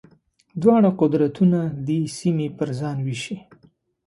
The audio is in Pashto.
دواړه قدرتونه دې سیمې پر ځان وېشي.